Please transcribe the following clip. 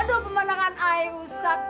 aduh pemandangan ayah usap